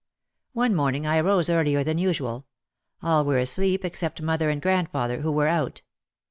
One morning I arose earlier than usual. All were asleep except mother and grandfather, who were out.